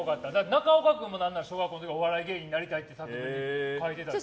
中岡君も小学校の時はお笑い芸人になりたいって書いてたし。